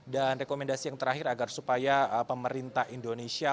dan rekomendasi yang terakhir agar supaya pemerintah indonesia